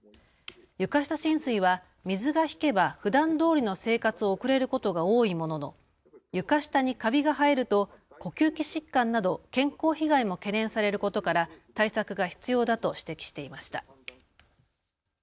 床下浸水は水が引けばふだんどおりの生活を送れることが多いものの床下にかびが生えると呼吸器疾患など健康被害も懸念されることから対策が必要だと指摘していました。